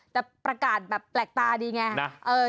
แต่ประกาศแบบแปลกตาดีไง